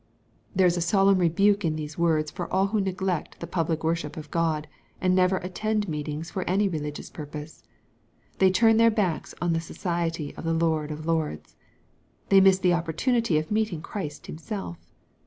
There is a solemn rebuke in these words for all who neglect the public worship of God, and never attend meetings for any religious purpose. They tarn their backs on the society of the Lord of lords. They miss the opportunity of meeting Christ Himself.